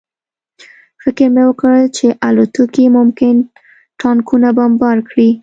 فکر مې وکړ چې الوتکې ممکن ټانکونه بمبار کړي